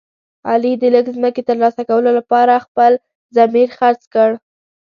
علي د لږ ځمکې تر لاسه کولو لپاره خپل ضمیر خرڅ کړ.